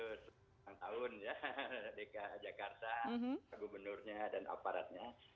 sudah selama setahun ya dki jakarta gubernurnya dan aparatnya